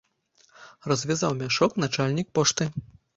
Развязаў мяшок начальнік пошты.